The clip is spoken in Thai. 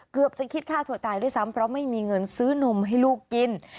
เกือบจะคิดฆ่าตัวตายด้วยซ้ำเพราะไม่มีเงินซื้อนมให้ลูกกิน